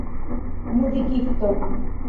muzikisto